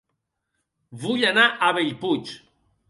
Vull anar a Bellpuig